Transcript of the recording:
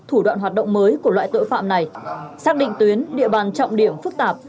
thủ đoạn hoạt động mới của loại tội phạm này xác định tuyến địa bàn trọng điểm phức tạp